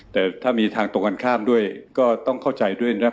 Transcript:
แต่ถ้ามีทางตรงกันข้ามด้วยก็ต้องเข้าใจด้วยนะครับ